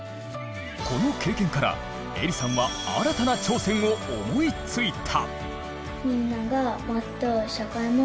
この経験からえりさんは新たな挑戦を思いついた。